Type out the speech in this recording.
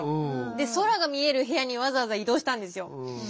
で空が見える部屋にわざわざ移動したんですよ。